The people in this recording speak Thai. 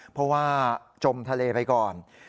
เพราะว่าจมทะเลไปก่อน